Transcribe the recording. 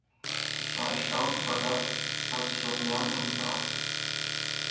Ich war erstaunt über das, was ich dort lernte und sah.